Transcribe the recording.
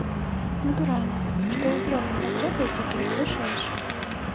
Натуральна, што ўзровень патрэбаў цяпер вышэйшы.